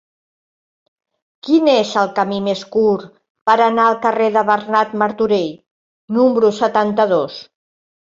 Quin és el camí més curt per anar al carrer de Bernat Martorell número setanta-dos?